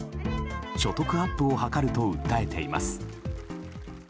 所得アップを図ると訴えています。